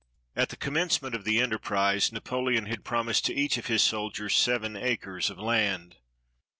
At the commencement of the enterprise. Napoleon had promised to each of his soldiers seven acres of land.